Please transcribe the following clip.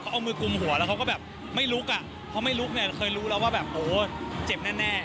เอามือกลุ่มหัวแล้วเขาก็แบบไม่ลุกอ่ะเพราะไม่ลุกเนี่ยเคยรู้แล้วว่าแบบโหเจ็บแน่